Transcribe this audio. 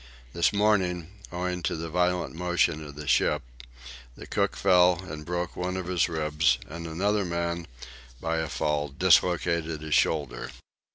This morning, owing to the violent motion of the ship, the cook fell and broke one of his ribs, and another man, by a fall, dislocated his shoulder.